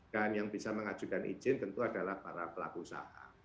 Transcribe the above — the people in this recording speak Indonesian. dan yang bisa mengajukan izin tentu adalah para pelaku usaha